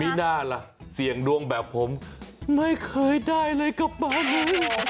มีหน้าล่ะเสี่ยงดวงแบบผมไม่เคยได้เลยกลับมาเลย